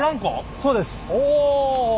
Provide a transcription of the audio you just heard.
そうです。